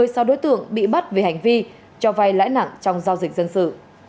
một mươi sau đối tượng bị bắt vì hành vi cho vay lãi nặng trong giao dịch dân sự